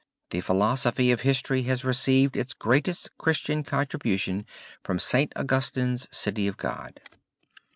The philosophy of history has received its greatest Christian contribution from St. Augustine's City of God.